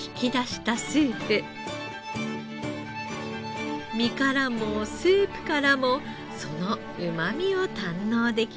身からもスープからもそのうまみを堪能できます。